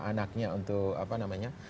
anaknya untuk apa namanya